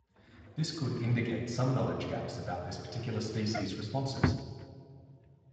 This could indicate some knowledge gaps about this particular species' responses.